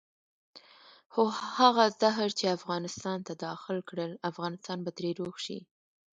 خو هغه زهر چې افغانستان ته داخل کړل افغانستان به ترې روغ شي.